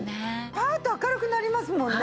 パーッと明るくなりますもんね。